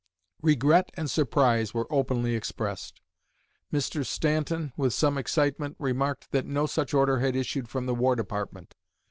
Regret and surprise were openly expressed. Mr. Stanton, with some excitement, remarked that no such order had issued from the War Department.